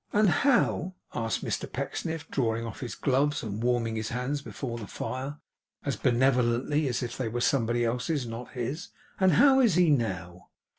'And how,' asked Mr Pecksniff, drawing off his gloves and warming his hands before the fire, as benevolently as if they were somebody else's, not his; 'and how is he now?